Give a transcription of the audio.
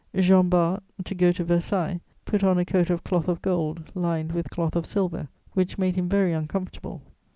Jean Bart, to go to Versailles, put on a coat of cloth of gold lined with cloth of silver, which made him very uncomfortable.